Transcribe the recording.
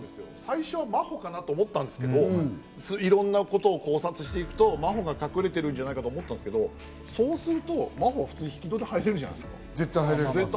最初は真帆かなと思ったんですけど、いろんなことを考察していくと、真帆が隠れてるんじゃないかと思ったんですけど、そうすると真帆は普通に引き戸で入れるじゃないですか。